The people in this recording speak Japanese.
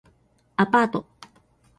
アパート